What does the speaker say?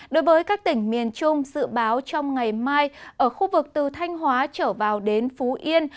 đối với các tỉnh miền trung dự báo trong ngày mai ở khu vực từ thanh hóa trở vào đến phú yên